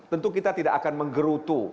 tentu kita tidak akan menggerutu